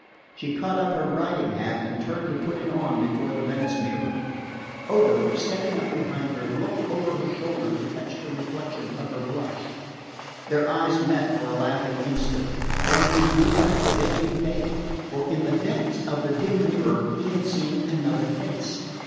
She caught up her riding hat and turned to put it on before the Venice mirror. Odo, stepping up behind her, looked over her shoulder to catch the reflection of her blush. Their eyes met for a laughing instant; then he drew back deadly pale, for in the depths of the dim mirror he had seen another face.